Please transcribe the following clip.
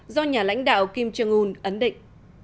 do nhà lãnh đạo kim jong un ấn định